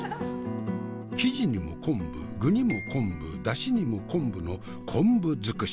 生地にも昆布具にも昆布だしにも昆布の昆布尽くし。